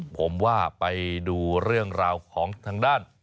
ผมว่าไปดูเรื่องราวของทางด้าน